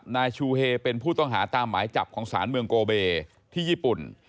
นายชูเฮเป็นผู้ต้องหาตามหมายจับของศาลเมืองโกเบที่ญี่ปุ่น